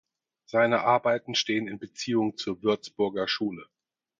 Seine Arbeiten stehen in Beziehung zur Würzburger Schule.